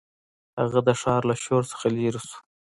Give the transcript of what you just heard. هغه د ښار له شور څخه لیرې شو.